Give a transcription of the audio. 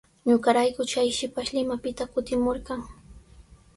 Ñuqarayku chay shipash Limapita kutimurqan.